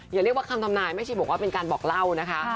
อย่าเรียกว่าคำทำนายแม่ชีบอกว่าเป็นการบอกเล่านะคะ